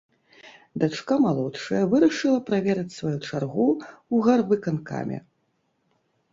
Дачка малодшая вырашыла праверыць сваю чаргу ў гарвыканкаме.